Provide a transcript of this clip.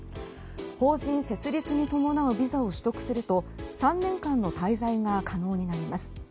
法人設立に伴うビザを取得すると３年間の滞在が可能になります。